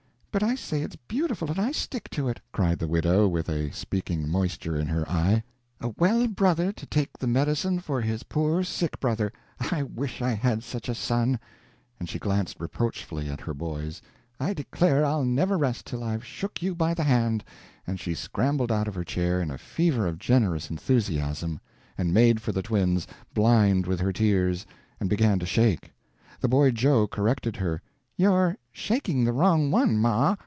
"But I say it's beautiful, and I stick to it!" cried the widow, with a speaking moisture in her eye. "A well brother to take the medicine for his poor sick brother I wish I had such a son," and she glanced reproachfully at her boys. "I declare I'll never rest till I've shook you by the hand," and she scrambled out of her chair in a fever of generous enthusiasm, and made for the twins, blind with her tears, and began to shake. The boy Joe corrected her: "You're shaking the wrong one, ma."